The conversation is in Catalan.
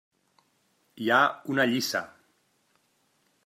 Hi ha una llissa.